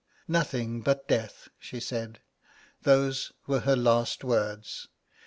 'Nothing but death,' she said. Those were her last words.